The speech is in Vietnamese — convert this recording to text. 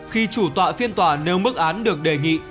khi chủ tọa phiên tòa nêu mức án được đề nghị